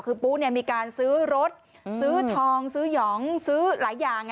คือปุ๊มีการซื้อรถซื้อทองซื้อหยองซื้อหลายอย่าง